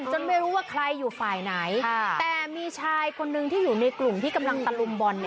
ไม่รู้ว่าใครอยู่ฝ่ายไหนแต่มีชายคนนึงที่อยู่ในกลุ่มที่กำลังตะลุมบอล